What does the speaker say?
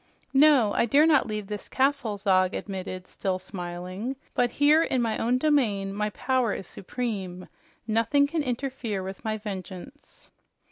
"No, I dare not leave this castle," Zog admitted, still smiling. "But here in my own domain my power is supreme. Nothing can interfere with my vengeance."